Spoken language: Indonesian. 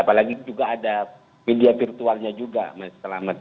apalagi juga ada media virtualnya juga mas selamat